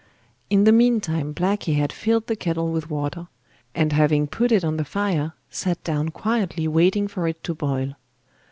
In the meantime Blacky had filled the kettle with water, and having put it on the fire, sat down quietly waiting for it to boil.